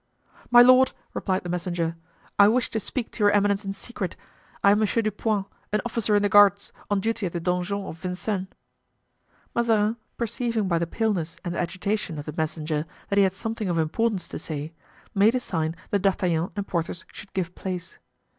"My lord," replied the messenger, "I wish to speak to your eminence in secret. I am Monsieur du Poins, an officer in the guards, on duty at the donjon of Vincennes." Mazarin, perceiving by the paleness and agitation of the messenger that he had something of importance to say, made a sign that D'Artagnan and Porthos should give place.